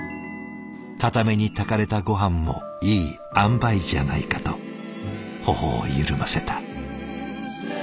硬めに炊かれたごはんもいいあんばいじゃないかと頬を緩ませた。